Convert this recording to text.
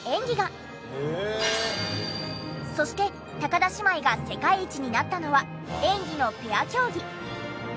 そして田姉妹が世界一になったのは演技のペア競技。